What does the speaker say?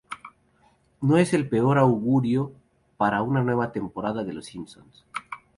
No es el peor augurio para una nueva temporada de "Los Simpson".